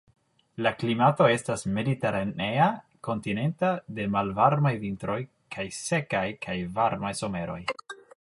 La klimato estas mediteranea kontinenta de malvarmaj vintroj kaj sekaj kaj varmaj someroj.